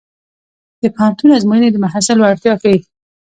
د پوهنتون ازموینې د محصل وړتیا ښيي.